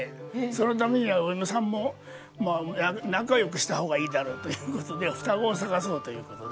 そのためにはお嫁さんも仲良くした方がいいだろうという事で双子を探そうという事で。